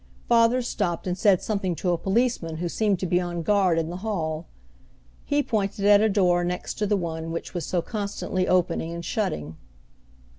Father stopped and said something to a policeman who seemed to be on guard in the hall. He pointed at a door next to the one which was so constantly opening and shutting.